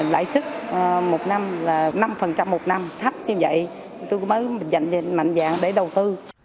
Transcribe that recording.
lãi suất một năm là năm một năm thấp như vậy tôi mới dành mạnh dạng để đầu tư